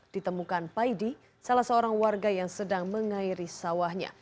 ditemukan paidi salah seorang warga yang sedang mengairi sawahnya